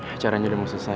acaranya udah mau selesai